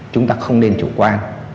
chúng ta không nên chủ quan